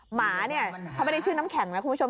หมาเนี่ยเขาไม่ได้ชื่อน้ำแข็งนะคุณผู้ชม